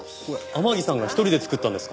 天樹さんが１人で作ったんですか？